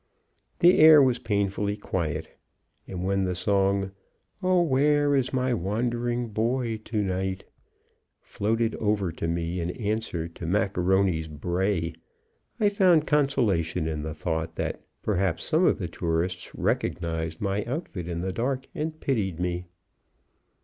The air was painfully quiet; and when the song, "Oh, Where is My Wandering Boy To night," floated over to me in answer to Macaroni's bray, I found consolation in the thought that perhaps some of the tourists recognized my outfit in the dark, and pitied me.